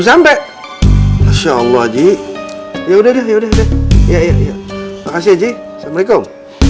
sampai masya allah ji ya udah udah ya udah ya ya makasih assalamualaikum